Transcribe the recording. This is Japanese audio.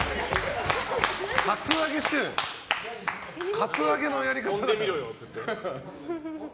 カツアゲのやり方。